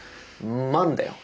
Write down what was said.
「万」だよ！